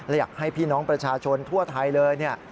และอยากให้พี่น้องประชาชนทั่วไทยเลยเนี่ย